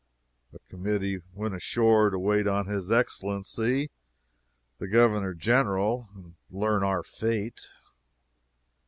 A committee went ashore to wait on his Excellency the Governor General, and learn our fate.